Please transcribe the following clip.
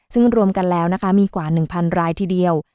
ซึ่งรวมกันแล้วนะคะมีกว่า๑๐๐รายทีเดียว